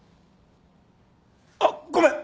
あっごめん！